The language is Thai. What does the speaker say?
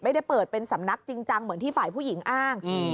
ไม่ได้เปิดเป็นสำนักจริงจังเหมือนที่ฝ่ายผู้หญิงอ้าง